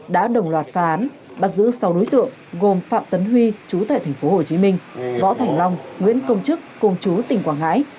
đã đồng loạt phá án bắt giữ sáu đối tượng gồm phạm tấn huy chú tại tp hcm võ thành long nguyễn công chức công chú tỉnh quảng ngãi